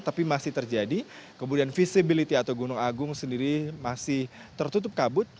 tapi masih terjadi kemudian visibility atau gunung agung sendiri masih tertutup kabut